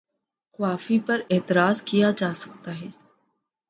قوافی پر اعتراض کیا جا سکتا ہے۔